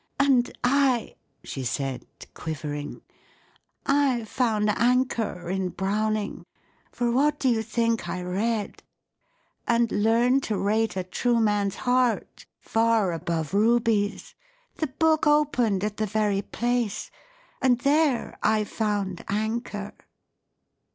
"And I," she, said, quivering, " I found anchor in Browning. For what do you think I read ?' And learn to rate a true man's heart Far above rubies.' The book opened at the very place; and there I found anchor